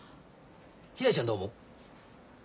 ひらりちゃんどう思う？